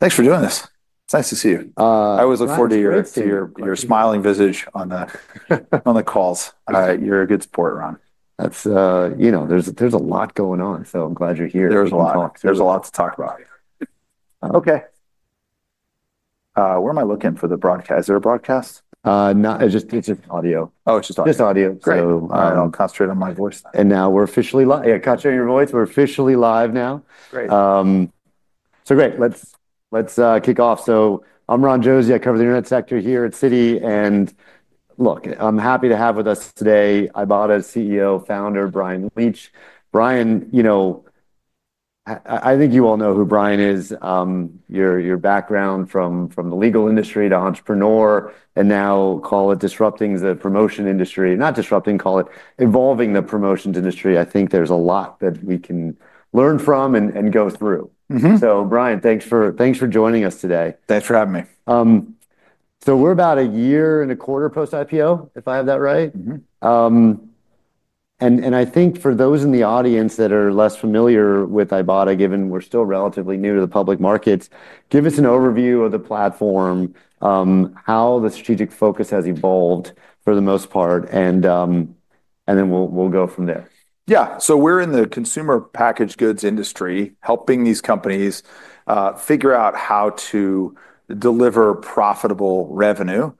Thanks for doing this. It's nice to see you. I always look forward to your to your your smiling visage on the on the calls. You're a good support, Ron. That's you know, there's there's a lot going on, so I'm glad you're here. There's a lot. There's a lot to talk about. Where am I looking for the broadcast? Is there a broadcast? No. It's just It's just audio. Oh, it's just audio. Just audio. Great. I'll concentrate on my voice. And now we're officially yeah. Caught you in your voice. We're officially live now. Great. So great. Let's let's kick off. So I'm Ron Josey. I cover the Internet sector here at Citi. And, look, I'm happy to have with us today Ibotta's CEO, founder, Brian Leach. Brian, you know, I think you all know who Brian is, your your background from from the legal industry to entrepreneur, and now call it disrupting the promotion industry not disrupting, call it evolving the promotions industry, I think there's a lot that we can learn from and and go through. Mhmm. So, Brian, thanks for thanks for joining us today. Thanks for having me. So we're about a year and a quarter post IPO, if I have that right. Mhmm. And and I think for those in the audience that are less familiar with Ibotta, given we're still relatively new to the public markets, give us an overview of the platform, how the strategic focus has evolved for the most part, and and then we'll we'll go from there. Yeah. So we're in the consumer packaged goods industry helping these companies figure out how to deliver profitable revenue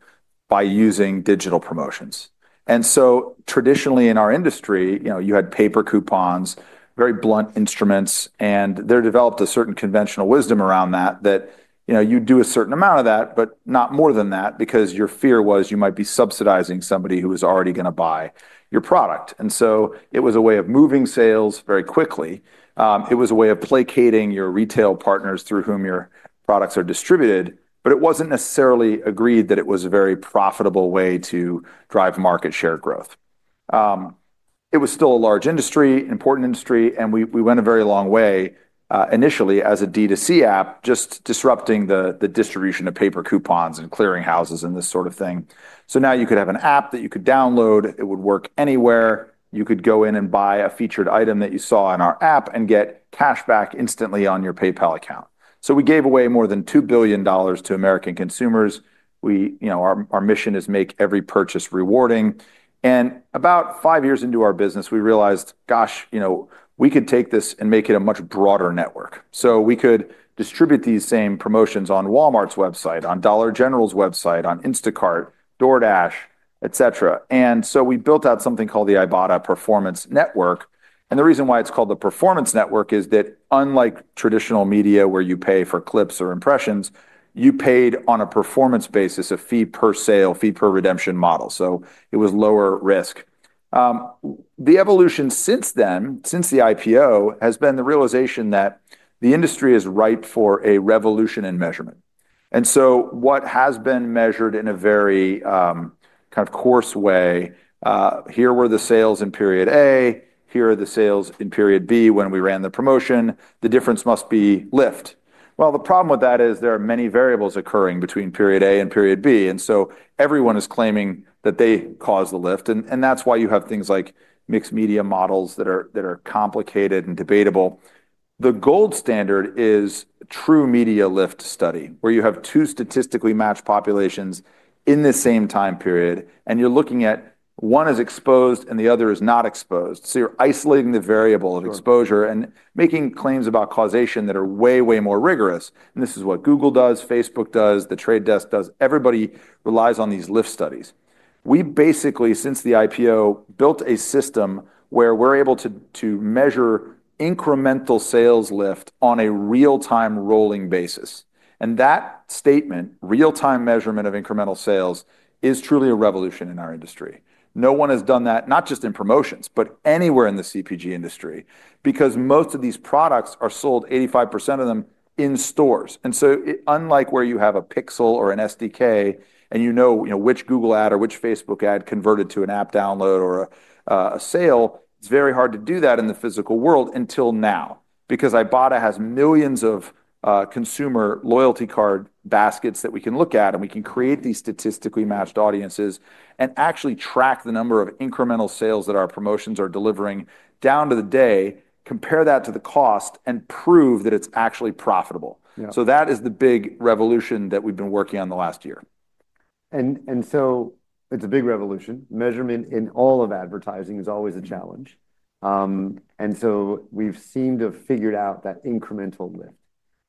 by using digital promotions. And so traditionally in our industry, you know, you had paper coupons, very blunt instruments, and there developed a certain conventional wisdom around that that, you know, you do a certain amount of that, but not more than that because your fear was you might be subsidizing somebody who was already gonna buy your product. And so it was a way of moving sales very quickly. It was a way of placating your retail partners through whom your products are distributed, but it wasn't necessarily agreed that it was a very profitable way to drive market share growth. It was still a large industry, important industry, and we we went a very long way initially as a d to c app just disrupting the the distribution of paper coupons and clearing houses and this sort of thing. So now you could have an app that you could download. It would work anywhere. You could go in and buy a featured item that you saw in our app and get cash back instantly on your PayPal account. So we gave away more than $2,000,000,000 to American consumers. We you know, our our mission is make every purchase rewarding. And about five years into our business, we realized, gosh, you know, we could take this and make it a much broader network. So we could distribute these same promotions on Walmart's website, on Dollar General's website, on Instacart, DoorDash, etcetera. And so we built out something called the Ibotta Performance Network. And the reason why it's called the Performance Network is that unlike traditional media where you pay for clips or impressions, you paid on a performance basis a fee per sale, fee per redemption model. So it was lower risk. The evolution since then, since the IPO, has been the realization that the industry is ripe for a revolution in measurement. And so what has been measured in a very kind of coarse way, here were the sales in period a, here are the sales in period b when we ran the promotion, The difference must be lift. Well, the problem with that is there are many variables occurring between period a and period b, and so everyone is claiming that they cause the lift. And and that's why you have things like mixed media models that are that are complicated and debatable. The gold standard is true media lift study, where you have two statistically matched populations in the same time period, and you're looking at one is exposed and the other is not exposed. So you're isolating the variable of exposure and making claims about causation that are way, way more rigorous. And this is what Google does, Facebook does, The Trade Desk does. Everybody relies on these lift studies. We basically, since the IPO, built a system where we're able to to measure incremental sales lift on a real time rolling basis. And that statement, real time measurement of incremental sales, is truly a revolution in our industry. No one has done that, not just in promotions, but anywhere in the CPG industry, because most of these products are sold 85% of them in stores. And so unlike where you have a pixel or an SDK, and you know which Google ad or which Facebook ad converted to an app download or a sale, it's very hard to do that in the physical world until now. Because Ibotta has millions of consumer loyalty card baskets that we can look at and we can create statistically matched audiences and actually track the number of incremental sales that our promotions are delivering down to the day, compare that to the cost, and prove that it's actually profitable. Yeah. So that is the big revolution that we've been working on the last year. And and so it's a big revolution. Measurement in all of advertising is always a challenge. And so we've seemed to have figured out that incremental lift.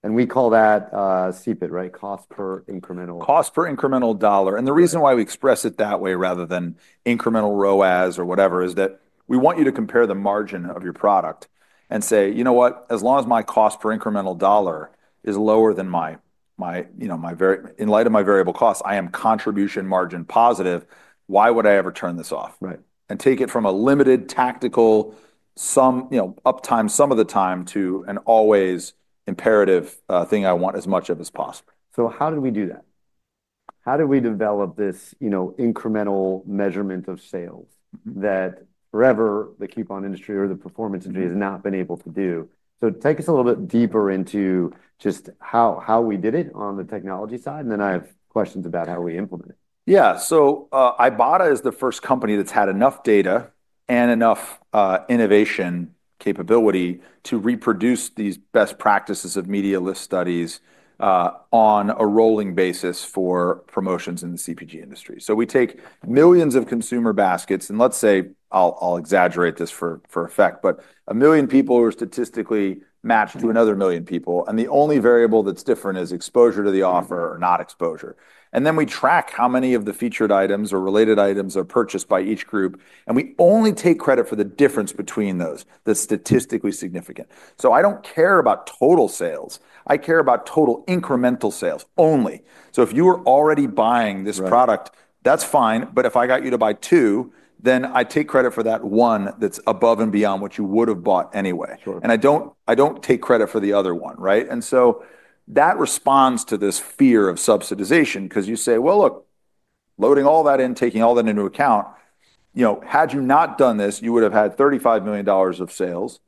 And we call that, CPET, right, Cost per incremental Cost per incremental dollar. And the reason why we express it that way rather than incremental ROAS or whatever is that we want you to compare the margin of your product and say, you know what? As long as my cost per incremental dollar is lower than my my, you know, my very in light of my variable cost, I am contribution margin positive. Why would I ever turn this off? Right. And take it from a limited tactical some, you know, uptime some of the time to an always imperative, thing I want as much of as possible. So how do we do that? How do we develop this, you know, incremental measurement of sales that forever the coupon industry or the performance industry has not been able to do? So take us a little bit deeper into just how how we did it on the technology side, and then I have questions about how we implement it. Yeah. So Ibotta is the first company that's had enough data and enough innovation capability to reproduce these best practices of media list studies on a rolling basis for promotions in the CPG industry. So we take millions of consumer baskets, and let's say, I'll I'll exaggerate this for for effect, but a million people were statistically matched to another million people, and the only variable that's different is exposure to the offer or not exposure. And then we track how many of the featured items or related items are purchased by each group, and we only take credit for the difference between those, the statistically significant. So I don't care about total sales. I care about total incremental sales only. So if you were already buying this product, that's fine. But if I got you to buy two, then I take credit for that one that's above and beyond what you would have bought anyway. Sure. And I don't I don't take credit for the other one. Right? And so that responds to this fear of subsidization because you say, well, look, loading all that in, taking all that into account, had you not done this, you would have had $35,000,000 of sales.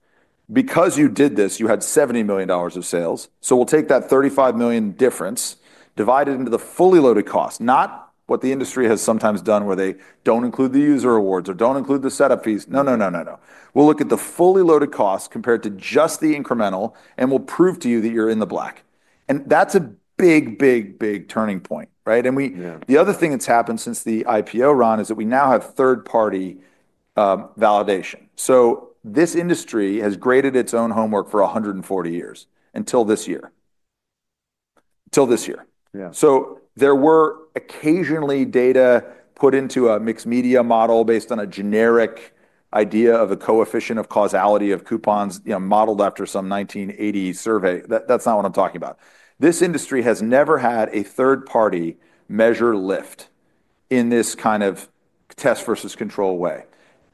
Because you did this, you had $70,000,000 of sales. So we'll take that $35,000,000 difference, divide it into the fully loaded cost, not what the industry has sometimes done where they don't include the user awards or don't include the setup fees. No. No. No. No. No. We'll look at the fully loaded cost compared to just the incremental, and we'll prove to you that you're in the black. And that's a big, big, big turning point. Right? And we the other thing that's happened since the IPO run is that we now have third party validation. So this industry has graded its own homework for a hundred and forty years until this year. Till this year. So there were occasionally data put into a mixed media model based on a generic idea of a coefficient of causality of coupons modeled after some 1980 survey. That's not what I'm talking about. This industry has never had a third party measure Lyft in this kind of test versus control way.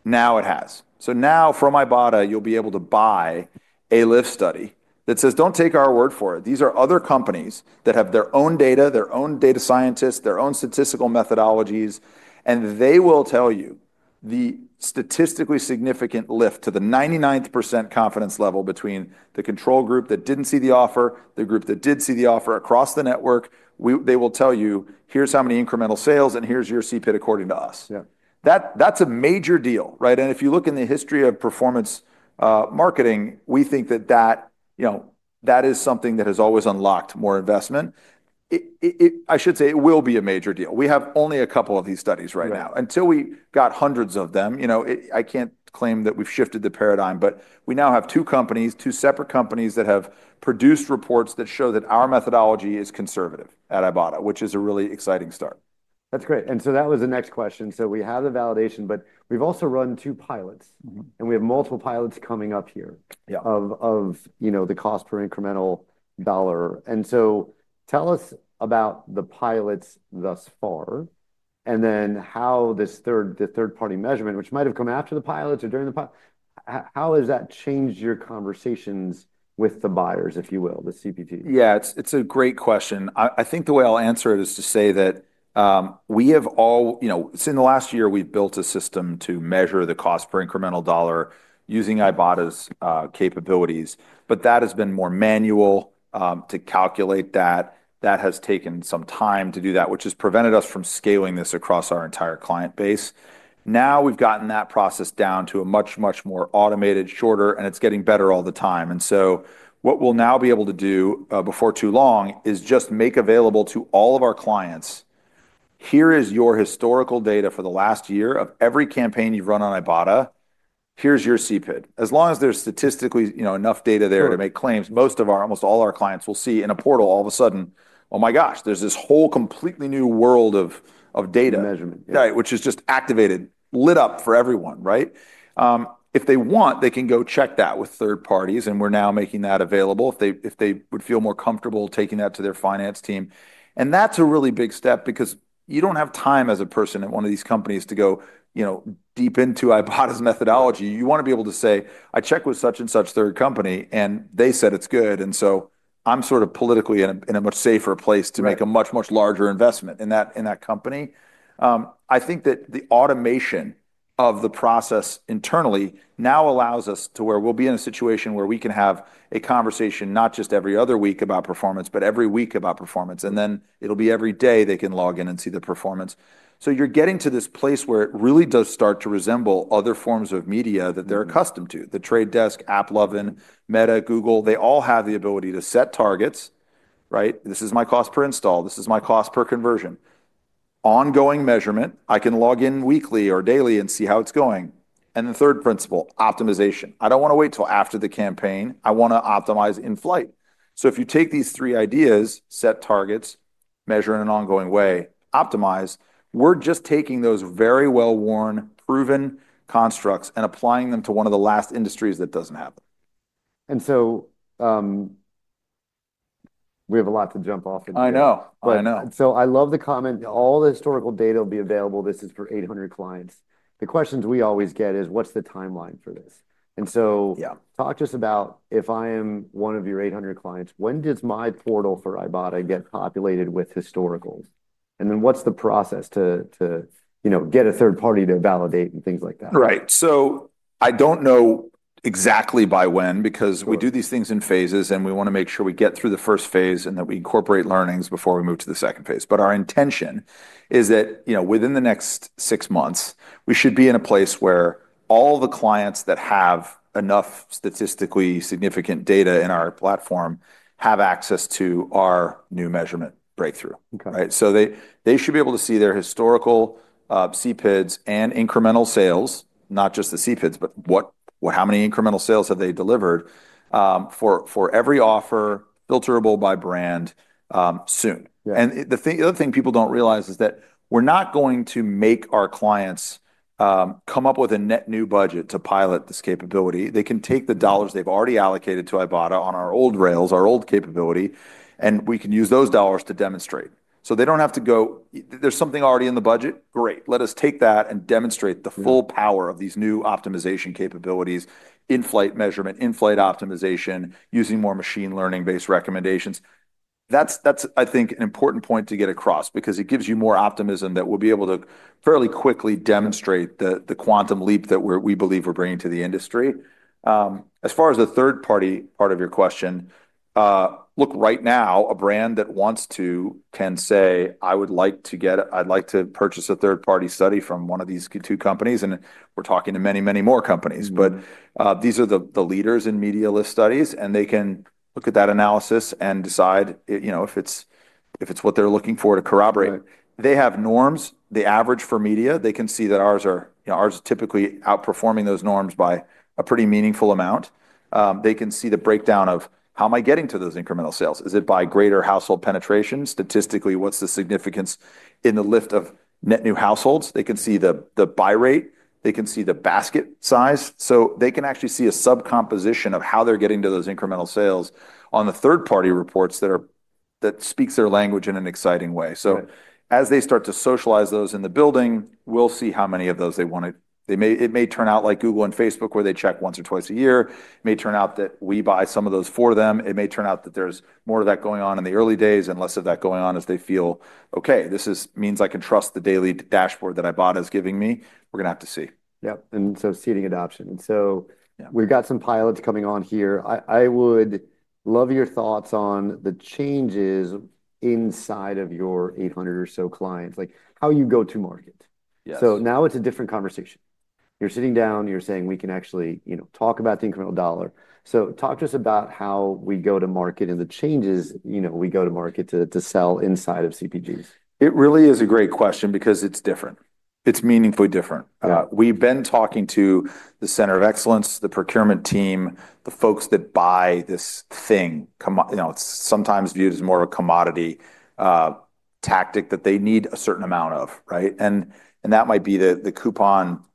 Now it has. So now from Ibotta, you'll be able to buy a Lyft study that says don't take our word for it. These are other companies that have their own data, their own data scientists, their own statistical methodologies, and they will tell you the statistically significant lift to the ninety ninth percent confidence level between the control group that didn't see the offer, the group that did see the offer across the network. We they will tell you, here's how many incremental sales and here's your CPID according to us. Yeah. That that's a major deal. Right? And if you look in the history of performance marketing, we think that that, you know, that is something that has always unlocked more investment. It it it I should say it will be a major deal. We have only a couple of these studies right now. Until we got hundreds of them, you know, I can't claim that we've shifted the paradigm, but we now have two companies, two separate companies that have produced reports that show that our methodology is conservative at Ibotta, which is a really exciting start. That's great. And so that was the next question. So we have the validation, but we've also run two pilots Mhmm. And we have multiple pilots coming up here Yeah. Of of, you know, the cost per incremental dollar. And so tell us about the pilots thus far, and then how this third the third party measurement, which might have come after the pilots or during the how has that changed your conversations with the buyers, if you will, with CPG? Yeah. It's it's a great question. I I think the way I'll answer it is to say that we have all you know, since the last year, we've built a system to measure the cost per incremental dollar using Ibotta's capabilities, but that has been more manual to calculate that. That has taken some time to do that, which has prevented us from scaling this across our entire client base. Now we've gotten that process down to a much, much more shorter, and it's getting better all the time. And so what we'll now be able to do before too long is just make available to all of our clients. Here is your historical data for the last year of every campaign you've run on Ibotta. Here's your CPID. As long as there's statistically, you know, enough data there to make claims, most of our almost all our clients will see in a portal all of a sudden, oh my gosh. There's this whole completely new world of of data Measurement. Yeah. Right, which is just activated, lit up for everyone. Right? If they want, they can go check that with third parties, and we're now making that available if they if they would feel more comfortable taking that to their finance team. And that's a really big step because you don't have time as a person at one of these companies to go, you know, deep into Ibotta's methodology. You wanna be able to say, I checked with such and such third company, and they said it's good. And so I'm sort of politically in a in a much safer place to make a much, much larger investment in that in that company. I think that the automation of the process internally now allows us to where we'll be in a situation where we can have a conversation not just every other week about performance, but every week about performance. And then it'll be every day they can log in and see the performance. So you're getting to this place where it really does start to resemble other forms of media that they're accustomed to. The Trade Desk, AppLovin, Meta, Google, they all have the ability to set targets. Right? This is my cost per install. This is my cost per conversion. Ongoing measurement, I can log in weekly or daily and see how it's going. And the third principle, optimization. I don't wanna wait till after the campaign. I wanna optimize in flight. So if you take these three ideas, set targets, measure in an ongoing way, optimize, we're just taking those very well worn, proven constructs and applying them to one of the last industries that doesn't happen. And so we have a lot to jump off in. I know. I know. And so I love the comment. All the historical data will be available. This is for 800 clients. The questions we always get is what's the timeline for this? And so Yeah. Talk to us about if I am one of your 800 clients, when does my portal for Ibotta get populated with historicals? And then what's the process to to, you know, get a third party to validate and things like that? Right. So I don't know exactly by when because we do these things in phases, and we wanna make sure we get through the first phase and that we incorporate learnings before we move to the second phase. But our intention is that, you know, within the next six months, we should be in a place where all the clients that have enough statistically significant data in our platform have access to our new measurement breakthrough. Okay. Right? So they they should be able to see their historical CPIDS and incremental sales, not just the CPIDS, but what what how many incremental sales have they delivered for for every offer filterable by brand soon. Yeah. And the thing the other thing people don't realize is that we're not going to make our clients come up with a net new budget to pilot this capability. They can take the dollars they've already allocated to Ibotta on our old rails, our old capability, and we can use those dollars to demonstrate. So they don't have to go there's something already in the budget? Great. Let us take that and demonstrate the full power of these new optimization capabilities, in flight measurement, in flight optimization, using more machine learning based recommendations. That's that's, I think, an important point to get across because it gives you more optimism that we'll be able to fairly quickly demonstrate the quantum leap that we're we believe we're bringing to the industry. As far as the third party part of your question, look. Right now, a brand that wants to can say, I would like to get I'd like to purchase a third party study from one of these two companies, and we're talking to many, many more companies. But these are the the leaders in media list studies, and they can look at that analysis and decide, you know, if it's if it's what they're looking for to corroborate. They have norms. They average for media. They can see that ours are you know, ours typically outperforming those norms by a pretty meaningful amount. They can see the breakdown of how am I getting to those incremental sales. Is it by greater household penetration? Statistically, what's the significance in the lift of net new households. They can see the the buy rate. They can see the basket size. So they can actually see a sub composition of how they're getting to those incremental sales on the third party reports that are that speaks their language in an exciting way. So as they start to socialize those in the building, we'll see how many of those they wanted. They may it may turn out like Google and Facebook where they check once or twice a year. It may turn out that we buy some of those for them. It may turn out that there's more of that going on in the early days and less of that going on as they feel, okay. This is means I can trust the daily dashboard that Ibotta is giving me. We're gonna have to see. Yep. And so seating adoption. So Yeah. We've got some pilots coming on here. I I would love your thoughts on the changes inside of your 800 or so clients, like, how you go to market. Yes. So now it's a different conversation. You're sitting down. You're saying we can actually, you know, talk about the incremental dollar. So talk to us about how we go to market and the changes, you know, we go to market to to sell inside of CPGs. It really is a great question because it's different. It's meaningfully different. Yeah. We've been talking to the center of excellence, the procurement team, the folks that buy this thing, you know, sometimes viewed as more of a commodity tactic that they need a certain amount of. Right? And and that might be the the coupon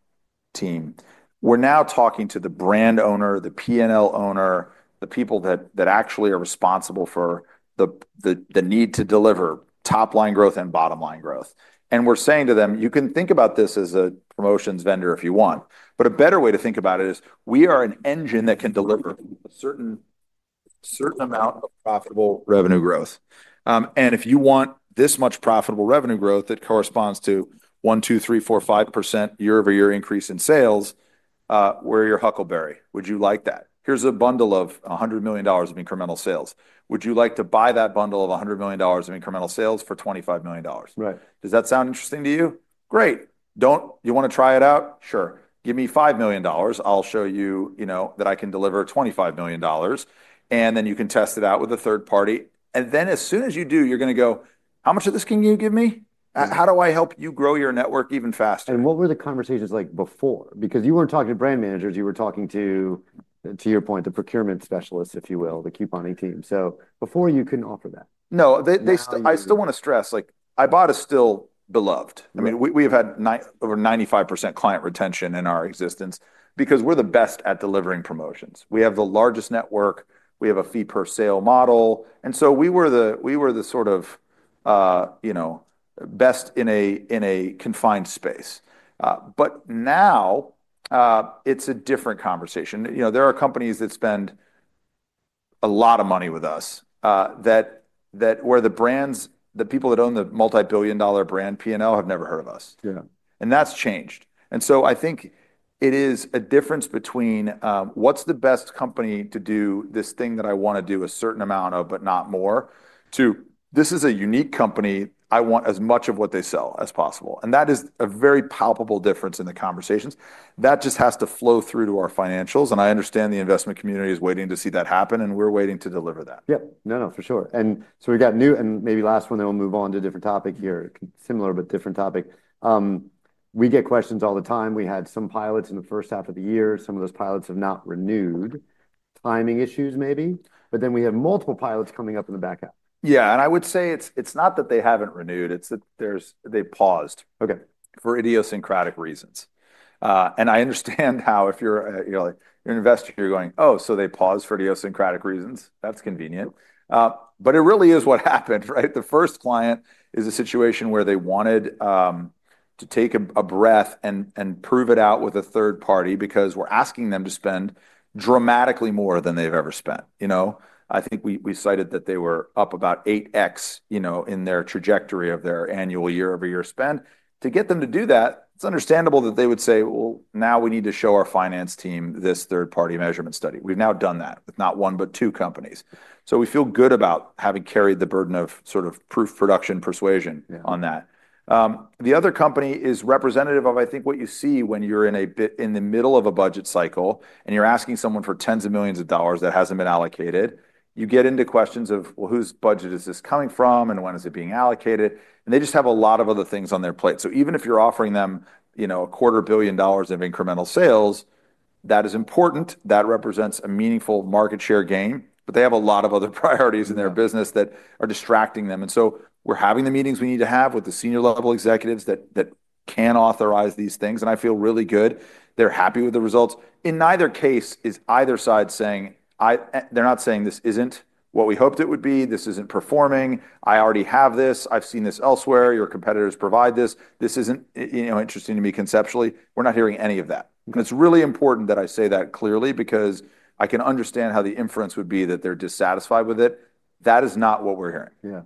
team. We're now talking to the brand owner, the p and l owner, the people that that actually are responsible for the the the need to deliver top line growth and bottom line growth. And we're saying to them, you can think about this as a promotions vendor if you want. But a better way to think about it is we are an engine that can deliver a certain certain amount of profitable revenue growth. And if you want this much profitable revenue growth that corresponds to one, two, three, four, 5% year over year increase in sales, we're your Huckleberry. Would you like that? Here's a bundle of a $100,000,000 of incremental sales. Would you like to buy that bundle of a $100,000,000 of incremental sales for $25,000,000? Right. Does that sound interesting to you? Great. Don't you wanna try it out? Sure. Give me $5,000,000. I'll show you, you know, that I can deliver $25,000,000, and then you can test it out with a third party. And then as soon as you do, you're gonna go, how much of this can you give me? How do I help you grow your network even faster? And what were the conversations like before? Because you weren't talking to brand managers. You were talking to, to your point, the procurement specialists, if you will, the couponing team. So before, you couldn't offer that. No. They they I still wanna stress. Like, Ibotta is still beloved. I mean, we we have had nine over 95% client retention in our existence because we're the best at delivering promotions. We have the largest network. We have a fee per sale model. And so we were the we were the sort of, you know, best in a in a confined space. But now it's a different conversation. You know, there are companies that spend a lot of money with us that that where the brands the people that own the multibillion dollar brand p and l have never heard of us. Yeah. And that's changed. And so I think it is a difference between, what's the best company to do this thing that I wanna do a certain amount of but not more to this is a unique company. I want as much of what they sell as possible. And that is a very palpable difference in the conversations. That just has to flow through to our financials, and I understand the investment community is waiting to see that happen, and we're waiting to deliver that. Yep. No. No. For sure. And so we got new and maybe last one, then we'll move on to a different topic here. Similar but different topic. We get questions all the time. We had some pilots in the first half of the year. Some of those pilots have not renewed. Timing issues, maybe. But then we have multiple pilots coming up in the back half. Yeah. And I would say it's it's not that they haven't renewed. It's that there's they paused Okay. For idiosyncratic reasons. And I understand how if you're, you know, like, you're an investor, you're going, oh, so they paused for idiosyncratic reasons. That's convenient. But it really is what happened. Right? The first client is a situation where they wanted to take a a breath and and prove it out with a third party because we're asking them to spend dramatically more than they've ever spent. You know? I think we we cited that they were up about eight x, you know, in their trajectory of their annual year over year spend. Get them to do that, it's understandable that they would say, now we need to show our finance team this third party measurement study. We've now done that with not one but two companies. So we feel good about having carried the burden of sort of proof production persuasion Yeah. On that. The other company is representative of, I think, what you see when you're in a bit in the middle of a budget cycle and you're asking someone for tens of millions of dollars that hasn't been allocated. You get into questions of, well, whose budget is this coming from and when is it being allocated? They just have a lot of other things on their plate. So even if you're offering them, you know, a quarter billion dollars of incremental sales, that is important. That represents a meaningful market share gain, but they have a lot of other priorities in their business that are distracting them. And so having the meetings we need to have with the senior level executives that that can authorize these things, and I feel really good. They're happy with the results. In neither case, is either side saying I they're not saying this isn't what we hoped it would be. This isn't performing. I already have this. I've seen this elsewhere. Your competitors provide this. This isn't, you know, interesting to me conceptually. We're not hearing any of that. And it's really important that I say that clearly because I can understand how the inference would be that they're dissatisfied with it. That is not what we're hearing. Yeah.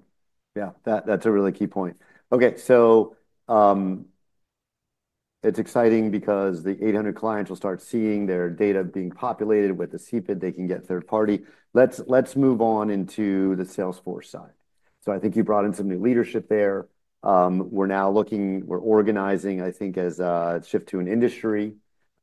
Yeah. That that's a really key point. Okay. So, it's exciting because the 800 clients will start seeing their data being populated with the CPID. They can get third party. Let's let's move on into the Salesforce side. So I think you brought in some new leadership there. We're now looking we're organizing, I think, as a shift to an industry,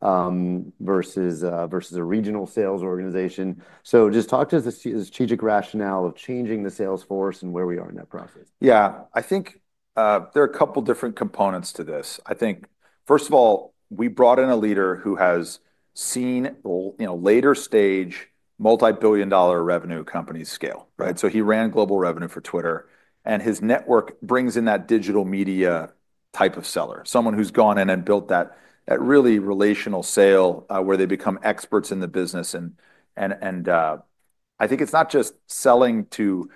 versus, versus a regional sales organization. So just talk to us the strategic rationale of changing the Salesforce and where we are in that process. Yeah. I think, there are a couple different components to this. I think, first of all, we brought in a leader who has seen, you know, later stage multibillion dollar revenue company scale. Right? So he ran global revenue for Twitter, and his network brings in that digital media type of seller, someone who's gone in and built that that really relational sale where they become experts in the business. And and and I think it's not just selling to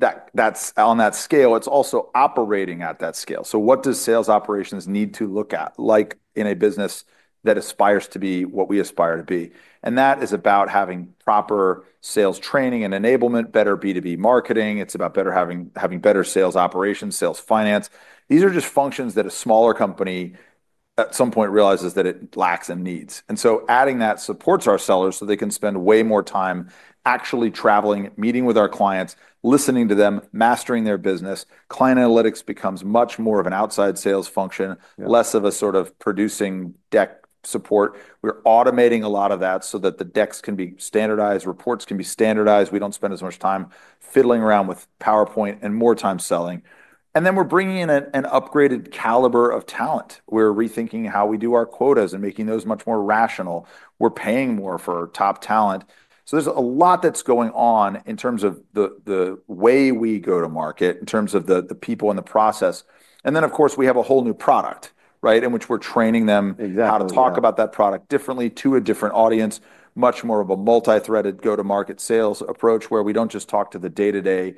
that that's on that scale, it's also operating at that scale. So what does sales operations need to look at, like, in a business that aspires to be what we aspire to be? And that is about having proper sales training and enablement, better b to b marketing. It's about better having having better sales operations, sales finance. These are just functions that a smaller company, at some point, realizes that it lacks and needs. And so adding that supports our sellers so they can spend way more time actually traveling, meeting with our clients, listening to them, mastering their business. Client analytics becomes much more of an outside sales function, less of a sort of producing deck support. We're automating a lot of that so that the decks can be standardized, reports can be standardized. We don't spend as much time fiddling around with PowerPoint and more time selling. And then we're bringing in an an upgraded caliber of talent. We're rethinking how we do our quotas and making those much more rational. We're paying more for top talent. So there's a lot that's going on in terms of the the way we go to market, in terms of the the people and the process. And then, of course, we have a whole new product, right, in which we're training them Exactly. To talk about that product differently to a different audience, much more of a multithreaded go to market sales approach where we don't just talk to the day to day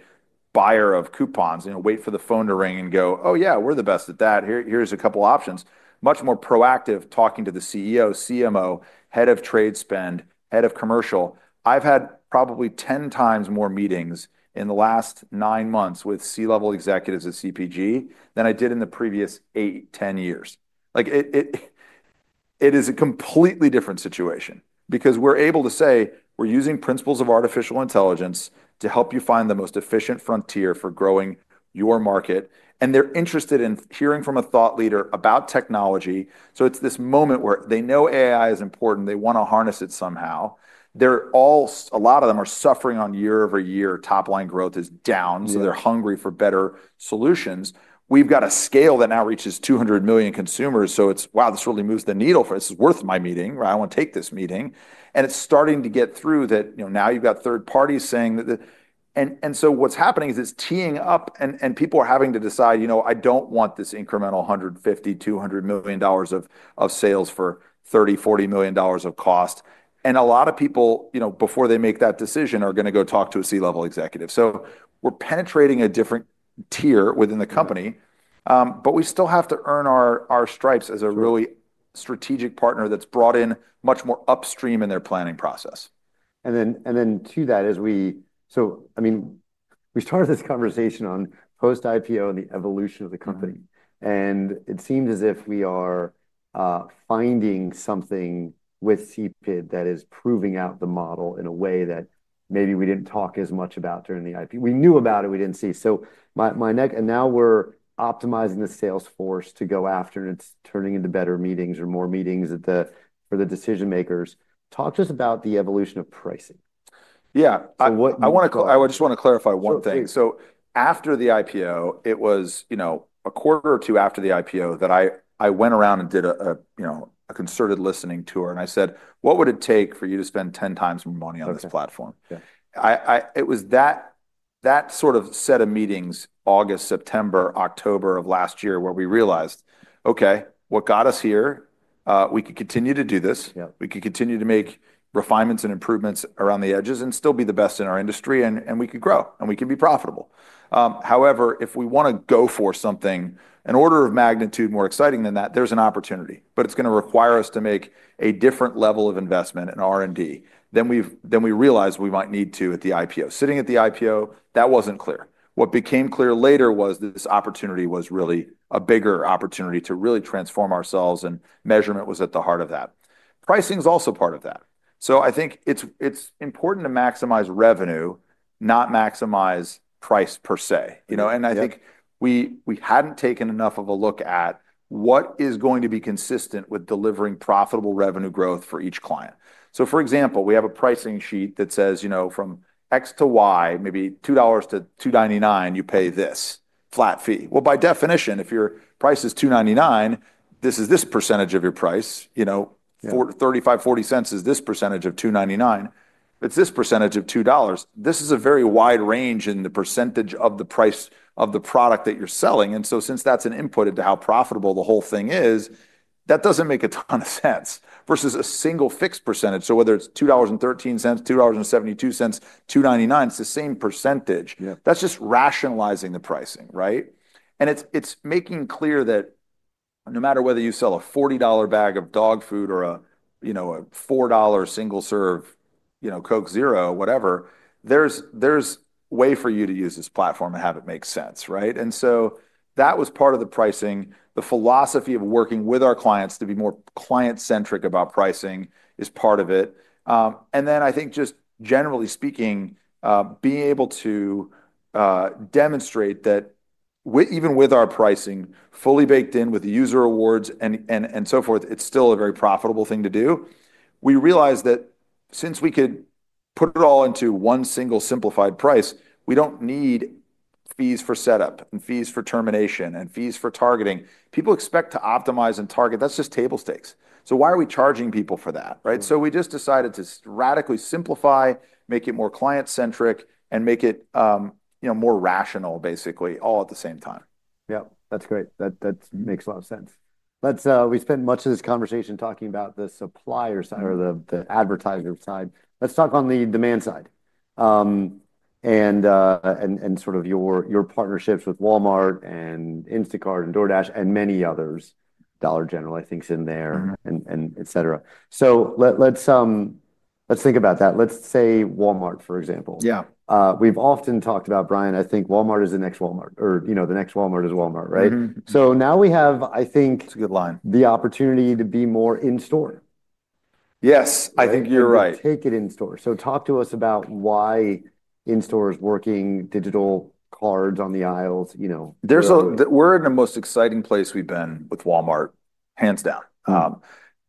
buyer of coupons, you know, wait for the phone to ring and go, oh, yeah. We're the best at that. Here here's a couple options. Much more proactive talking to the CEO, CMO, head of trade spend, head of commercial. I've had probably 10 times more meetings in the last nine months with c level executives at CPG than I did in the previous eight, ten years. Like, it it it is a completely different situation because we're able to say we're using principles of artificial intelligence to help you find the most efficient frontier for growing your market, and they're interested in hearing from a thought leader about technology. So it's this moment where they know AI is important. They wanna harness it somehow. They're all a lot of them are suffering on year over year. Top line growth is down, so they're hungry for better solutions. We've got a scale that now reaches 200,000,000 consumers, so it's wow. This really moves the needle for us. It's worth my meeting. Right? I wanna take this meeting. And it's starting to get through that, you know, now you've got third parties saying that the and and so what's happening is it's teeing up, and and people are having to decide, you know, I don't want this incremental $152,100,000,000 dollars of of sales for $3,040,000,000 dollars of cost. And a lot of people, you know, before they make that decision are gonna go talk to a c level executive. So we're penetrating a different tier within the company, but we still have to earn our our stripes as a really strategic partner that's brought in much more upstream in their planning process. And then and then to that is we so, I mean, we started this conversation on post IPO and the evolution of the company, and it seems as if we are, finding something with CPID that is proving out the model in a way that maybe we didn't talk as much about during the IP. We knew about it. We didn't see. So my my neck and now we're optimizing the Salesforce to go after, and it's turning into better meetings or more meetings at the for the decision makers. Talk to us about the evolution of pricing. Yeah. I I wanna I just wanna clarify one thing. So after the IPO, it was, you know, a quarter or two after the IPO that I I went around and did a a, you know, a concerted listening tour, and I said, what would it take for you to spend 10 times more money on this platform? Yeah. I I it was that that sort of set of meetings, August, September, October where we realized, okay. What got us here, we could continue to do this. Yep. We could continue to make refinements and improvements around the edges and still be the best in our industry, and and we could grow, and we can be profitable. However, if we wanna go for something, an order of magnitude more exciting than that, there's an opportunity. But it's gonna require us to make a different level of investment in r and d than we've than we realized we might need to at the IPO. Sitting at the IPO, that wasn't clear. What became clear later was that this opportunity was really a bigger opportunity to really transform ourselves, and measurement was at the heart of that. Pricing is also part of that. So I think it's important to maximize revenue, not maximize price per se. You know? And I think we we hadn't taken enough of a look at what is going to be consistent with delivering profitable revenue growth for each client. So for example, we have a pricing sheet that says, you know, from x to y, maybe $2 to $2.99, you pay this flat fee. Well, by definition, if your price is $2.99, this is this percentage of your price, you know, four thirty five, forty cents is this percentage of $2.99. It's this percentage of $2. This is a very wide range in the percentage of the price of the product that you're selling. And so since that's an input into how profitable the whole thing is, that doesn't make a ton of sense versus a single fixed percentage. So whether it's $2.13, $2.72, $2.99, it's the same percentage. Yep. That's just rationalizing the pricing. Right? And it's it's making clear that no matter whether you sell a $40 bag of dog food or a, you know, a $4 single serve, you know, Coke Zero, whatever, there's there's way for you to use this platform and have it make sense. Right? And so that was part of the pricing. The philosophy of working with our clients to be more client centric about pricing is part of it. And then I think just generally speaking, being able to demonstrate that even with our pricing fully baked in with the user awards and and and so forth, it's still a very profitable thing to do. We realized that since we could put it all into one single simplified price, we don't need fees for setup and fees for termination and fees for targeting. People expect to optimize and target. That's just table stakes. So why are we charging people for that? Right? So we just decided to radically simplify, make it more client centric, and make it, you know, more rational, basically, all at the same time. Yep. That's great. That that makes a lot of sense. Let's we spent much of this conversation talking about the supplier side or the the advertiser side. Let's talk on the demand side and and and sort of your your partnerships with Walmart and Instacart and DoorDash and many others. Dollar General, I think, is in there Mhmm. And and etcetera. So let let's let's think about that. Let's say Walmart, for example. Yeah. We've often talked about, Brian, I think Walmart is the next Walmart or, you know, the next Walmart is Walmart. Right? So now we have, I think That's a good line. The opportunity to be more in store. Yes. I think you're right. It in store. So talk to us about why in store is working, digital cards on the aisles, you know There's a we're in the most exciting place we've been with Walmart, hands down.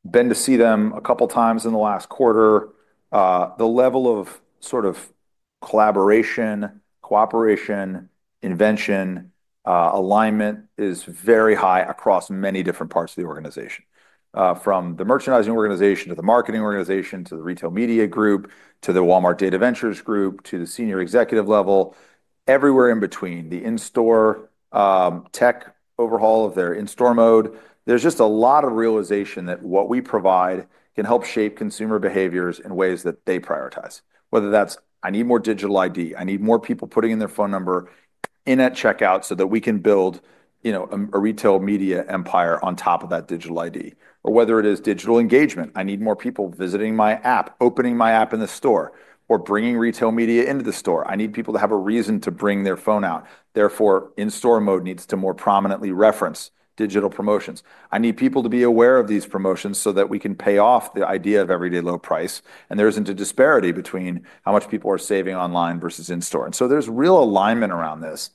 Been to see them a couple times in the last quarter. The level of sort of collaboration, cooperation, invention, alignment is very high across many different parts of the organization. From the merchandising organization to the marketing organization to the retail media group to the Walmart Data Ventures group to the senior executive level, everywhere in between, the in store, tech overhaul of their in store mode. There's just a lot of realization that what we provide can help shape consumer behaviors in ways that they prioritize, whether that's I need more digital ID. I need more people putting in their phone number in at checkout so that we can build, you know, a a retail media empire on top of that digital ID. Or whether it is digital engagement. I need more people visiting my app, opening my app in the store, or bringing retail media into the store. I need people to have a reason to bring their phone out. Therefore, in store mode needs to more prominently reference digital promotions. I need people to be aware of these promotions so that we can pay off the idea of everyday low price, and there isn't a disparity between how much people are saving online versus in store. And so there's real alignment around this,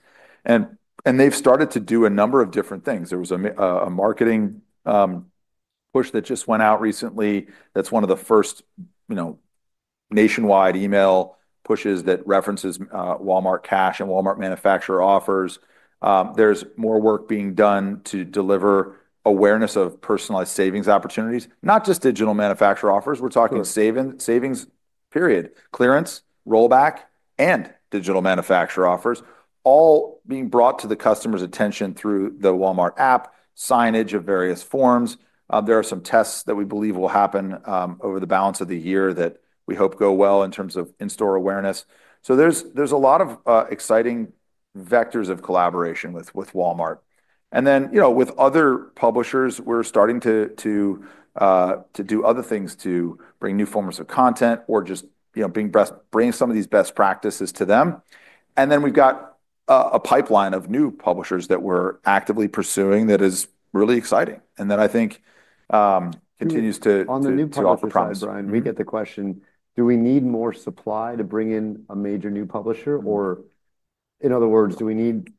and and they've started to do a number of different things. There was a a marketing push that just went out recently. That's one of the first, you know, nationwide email pushes that references Walmart cash and Walmart manufacturer offers. There's more work being done to deliver awareness of personalized savings opportunities, not just digital manufacturer offers. We're talking saving savings period, clearance, rollback and digital manufacturer offers, all being brought to the customer's attention through the Walmart app, signage of various forms. There are some tests that we believe will happen over the balance of the year that we hope go well in terms of in store awareness. So there's there's a lot of exciting vectors of collaboration with with Walmart. And then, you know, with other publishers, we're starting to to to do other things to bring new forms of content or just, you know, being best bringing some of these best practices to them. And then we've got a a pipeline of new publishers that we're actively pursuing that is really exciting. And then I think, continues to On the new pipeline, Brian, we get the question, do we need more supply to bring in a major new publisher? Or in other words, do we need,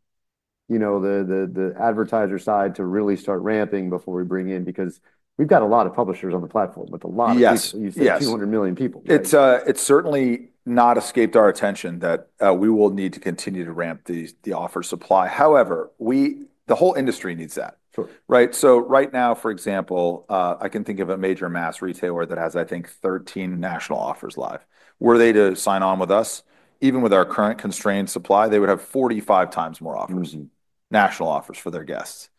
you know, the the the advertiser side to really start ramping before we bring in? Because we've got a lot of publishers on the platform, but a lot of these, You see 200,000,000 people. It's it's certainly not escaped our attention that we will need to continue to ramp these the offer supply. However, we the whole industry needs that. Sure. Right? So right now, for example, I can think of a major mass retailer that has, I think, 13 national offers live. Were they to sign on with us, even with our current constrained supply, they would have 45 times more offers, national offers for their guests.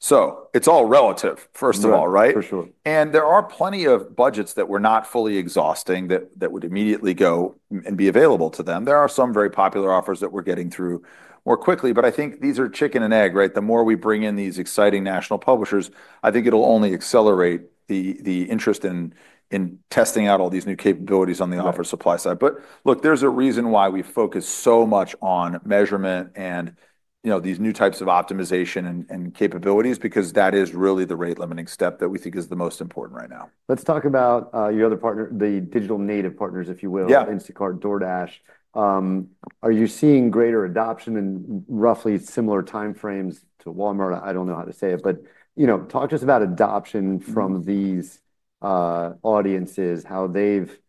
So it's all relative, first of all. Right? For sure. And there are plenty of budgets that we're not fully exhausting that that would immediately go and be available to them. There are some very popular offers that we're getting through more quickly, but I think these are chicken and egg. Right? The more we bring in these exciting national publishers, I think it'll only accelerate the the interest in in testing out all these new capabilities on the offer supply side. But, look, there's a reason why we focus so much on measurement and, know, these new types of optimization and and capabilities because that is really the rate limiting step that we think is the most important right now. Let's talk about, your other partner, the digital native partners, if you will Yeah. Instacart, DoorDash. Are you seeing greater adoption in roughly similar time frames to Walmart? I don't know how to say it. But, you know, talk to us about adoption from these, audiences, how they've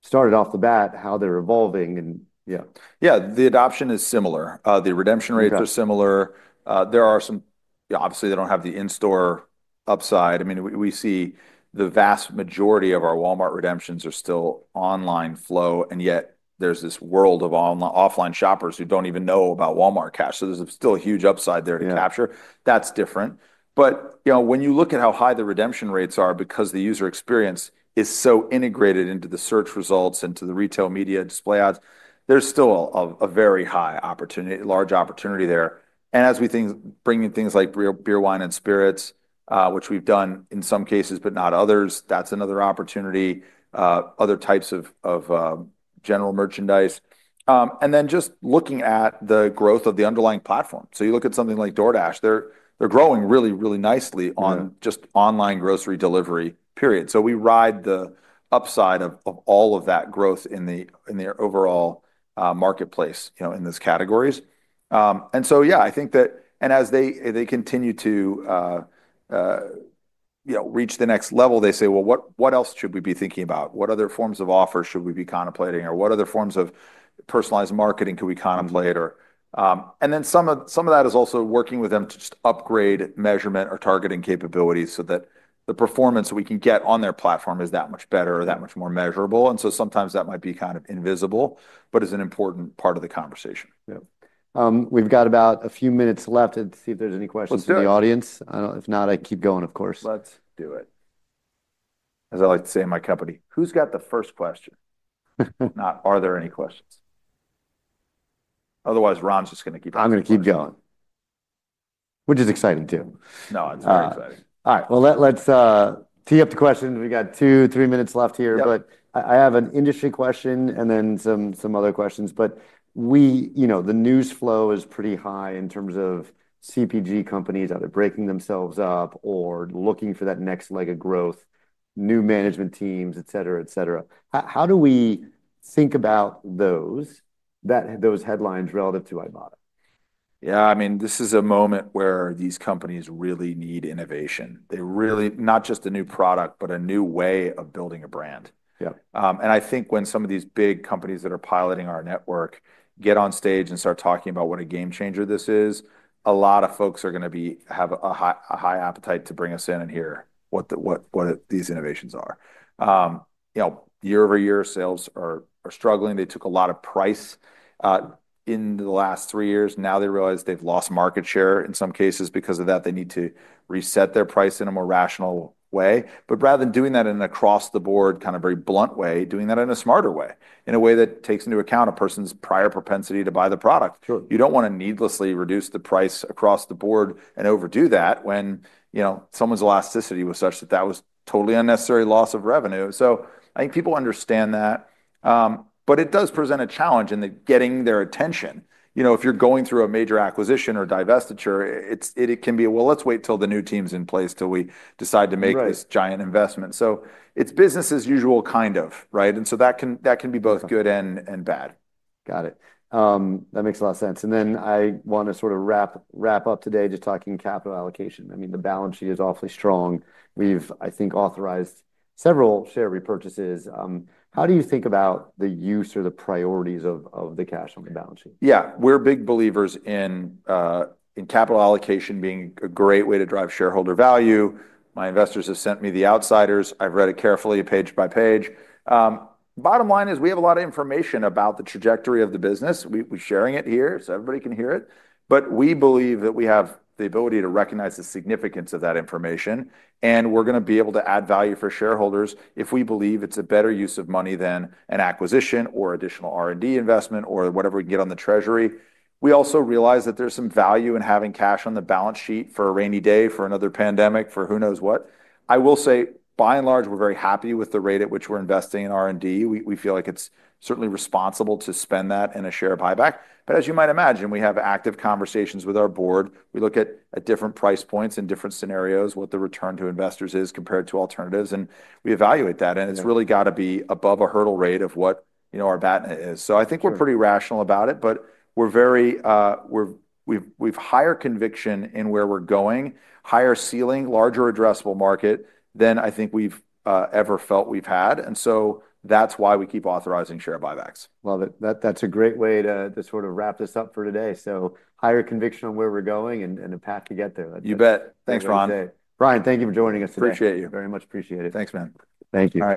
started off the bat, how they're evolving, and yeah. Yeah. The adoption is similar. The redemption rates are similar. There are some yeah. Obviously, they don't have the in store upside. I mean, we we see the vast majority of our Walmart redemptions are still online flow, and yet there's this world of online shoppers who don't even know about Walmart cash. So there's still a huge upside there to capture. That's different. But, you know, when you look at how high the redemption rates are because the user experience is so integrated into the search results, into the retail media display ads, there's still a a very high opportunity large opportunity there. And as we think bringing things like beer beer, wine, and spirits, which we've done in some cases but not others, that's another opportunity, other types of of general merchandise. And then just looking at the growth of the underlying platform. So you look at something like DoorDash, they're they're growing really, really nicely on just online grocery delivery period. So we ride the upside of of all of that growth in the in their overall marketplace, you know, in these categories. And so, yeah, I think that and as they they continue to, you know, reach the next level, they say, well, what what else should we be thinking about? What other forms of offer should we be contemplating? Or what other forms of personalized marketing could we condemn later? And then some of some of that is also working with them to just upgrade measurement or targeting capabilities so that the performance we can get on their platform is that much better or that much more measurable. And so sometimes that might be kind of invisible, but it's an important part of the conversation. Yep. We've got about a few minutes left to see if there's any questions from the audience. I don't if not, I keep going, of course. Let's do it. As I like to say in my company, who's got the first question? If not, are there any questions? Otherwise, Ron's just gonna keep asking. Going, which is exciting too. No. It's very exciting. Alright. Well, let let's, tee up the questions. We got two, three minutes left here. But I I have an industry question and then some some other questions. But we you know, the news flow is pretty high in terms of CPG companies either breaking themselves up or looking for that next leg of growth, new management teams, etcetera, etcetera. How do we think about those that those headlines relative to Ibotta? Yeah. I mean, this is a moment where these companies really need innovation. They really not just a new product, but a new way of building a brand. Yep. And I think when some of these big companies that are piloting our network get on stage and start talking about what a game changer this is, a lot of folks are gonna be have a high a high appetite to bring us in and hear what the what what these innovations are. You know, year over year sales are are struggling. They took a lot of price in the last three years. Now they realize they've lost market share. In some cases, because of that, they need to reset their price in a more rational way. But rather than doing that in across the board kind of very blunt way, doing that in a smarter way, in a way that takes into account a person's prior propensity to buy the product. Sure. You don't wanna needlessly reduce the price across the board and overdo that when, you know, someone's elasticity was such that that was totally unnecessary loss of revenue. So I think people understand that, but it does present a challenge in the getting their attention. You know, if you're going through a major acquisition or divestiture, it's it it can be, well, let's wait till the new team's in place till we decide to make this giant investment. So it's business as usual kind of. Right? And so that can that can be both good and and bad. Got it. That makes a lot of sense. And then I wanna sort of wrap wrap up today just talking capital allocation. I mean, the balance sheet is awfully strong. We've, I think, authorized several share repurchases. How do you think about the use or the priorities of of the cash on the balance sheet? Yeah. We're big believers in in capital allocation being a great way to drive shareholder value. My investors have sent me the outsiders. I've read it carefully page by page. Bottom line is we have a lot of information about the trajectory of the business. We we're sharing it here so everybody can hear it. But we believe that we have the ability to recognize the significance of that information, and we're gonna be able to add value for shareholders if we believe it's a better use of money than an acquisition or additional r and d investment or whatever we get on the treasury. We also realize that there's some value in having cash on the balance sheet for a rainy day for another pandemic for who knows what. I will say, by and large, we're very happy with the rate at which we're investing in r and d. We we feel like it's certainly responsible to spend that in a share buyback. But as you might imagine, we have active conversations with our board. We look at different price points and different scenarios, what the return to investors is compared to alternatives, and we evaluate that. And it's really got to be above a hurdle rate of what you know, our BATNA is. So I think we're pretty rational about it, but we're very, we're we've we've higher conviction in where we're going, higher ceiling, larger addressable market than I think we've, ever felt we've had. And so that's why we keep authorizing share buybacks. Love it. That that's a great way to to sort of wrap this up for today. So higher conviction on where we're going and and a path to get there. You bet. Thanks, Ron. Brian, thank you for joining us today. Appreciate you. Very much appreciated. Thanks, man. Thank you. Alright.